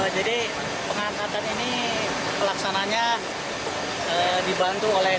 jadi pengangkatan ini pelaksananya dibantu oleh